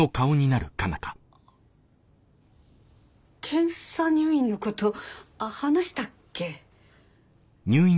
検査入院のこと話したっけ？